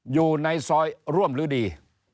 อยู่ในซอยร่วมฤดี